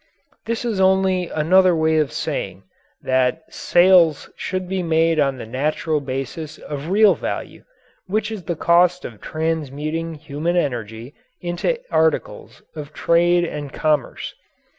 This is only another way of saying that sales should be made on the natural basis of real value, which is the cost of transmuting human energy into articles of trade and commerce.